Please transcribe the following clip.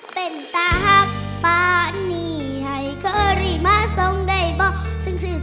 สมาธิพร้อมดำน้ำที่๒